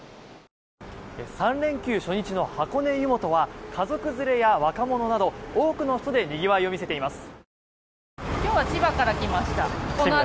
３連休初日の箱根湯本は家族連れや若者など多くの人でにぎわいを見せています。